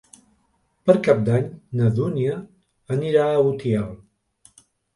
Per Cap d'Any na Dúnia anirà a Utiel.